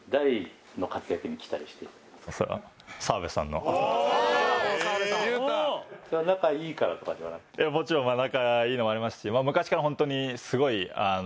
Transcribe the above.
もちろん仲いいのもありますし昔から本当にすごいあの。